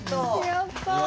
やった！